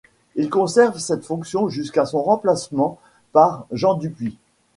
Il conserve cette fonction jusqu'à son remplacement par Jean Dupuy.